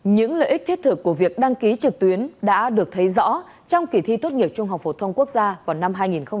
những lợi ích thiết thực của việc đăng ký trực tuyến đã được thấy rõ trong kỳ thi tốt nghiệp trung học phổ thông quốc gia vào năm hai nghìn hai mươi